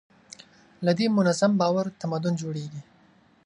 له دې منظم باور تمدن جوړېږي.